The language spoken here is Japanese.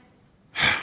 ハァ。